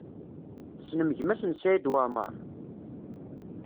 Tessnem gma-s n Saɛid Waɛmaṛ?